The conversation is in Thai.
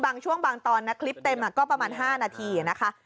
บางช่วงบางตอนนะคลิปเต็มก็ประมาณ๕นาทีนะคะ